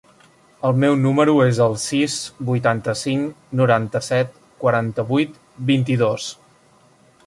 El meu número es el sis, vuitanta-cinc, noranta-set, quaranta-vuit, vint-i-dos.